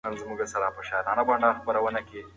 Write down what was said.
منظم غرمې ډوډۍ ګټوره ده.